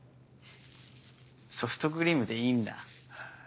ソフトクリームでいいんだ。